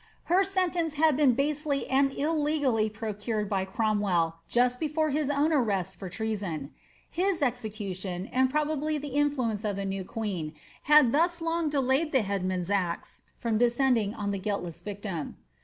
Her sentence had been basely and illegally procured by Cromwell, just before his own arrest for treason.' His execution, and probably the in fluence of the new queen, had thus long delayed the headsman's axe from descending on the guiltless victim.